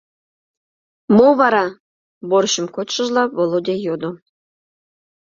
— Мо вара? — борщым кочшыжла Володя йодо.